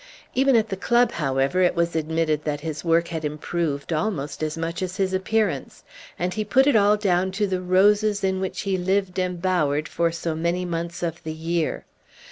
Even at the club, however, it was admitted that his work had improved almost as much as his appearance; and he put it all down to the roses in which he lived embowered for so many months of the year.